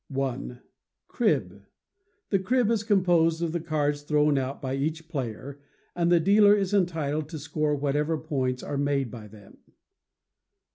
i. Crib. The crib is composed of the cards thrown out by each player, and the dealer is entitled to score whatever points are made by them.